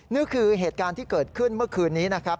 นี่คือเหตุการณ์ที่เกิดขึ้นเมื่อคืนนี้นะครับ